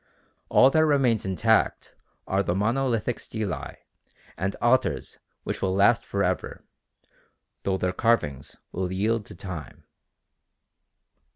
All that remains intact are the monolithic stelae and altars which will last for ever, though their carvings will yield to time.